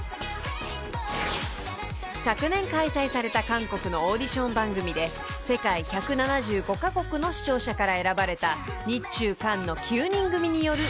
［昨年開催された韓国のオーディション番組で世界１７５カ国の視聴者から選ばれた日中韓の９人組による］